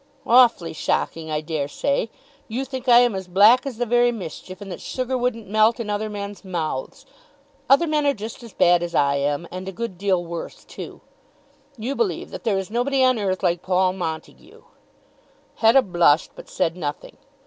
"Awfully shocking I dare say. You think I am as black as the very mischief, and that sugar wouldn't melt in other men's mouths. Other men are just as bad as I am, and a good deal worse too. You believe that there is nobody on earth like Paul Montague." Hetta blushed, but said nothing.